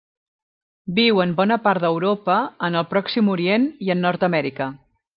Viu en bona part d'Europa, en el Pròxim Orient i en Nord-amèrica.